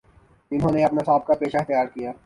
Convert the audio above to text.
جنہوں نے اپنا سا بقہ پیشہ اختیارکیا